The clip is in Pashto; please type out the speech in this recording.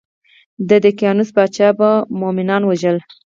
د دقیانوس پاچا به مومنان وژل.